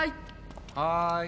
はい。